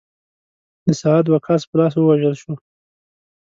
د سعد وقاص په لاس ووژل شو.